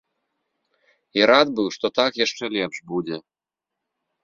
І рад быў, што так яшчэ лепш будзе.